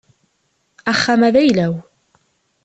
Axxam-a d ayla-w.